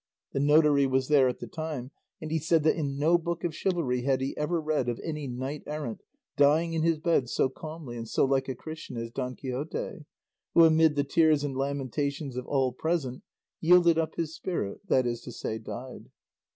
The notary was there at the time, and he said that in no book of chivalry had he ever read of any knight errant dying in his bed so calmly and so like a Christian as Don Quixote, who amid the tears and lamentations of all present yielded up his spirit, that is to say died.